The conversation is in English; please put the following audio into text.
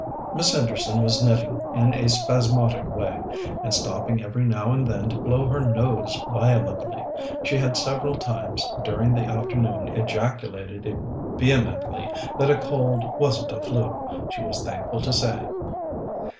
Miss Henderson was knitting in a spasmodic way, and stopping every now and then to blow her nose violently. She had several times during the afternoon ejaculated vehemently that a cold wasn't flu, she was thankful to say.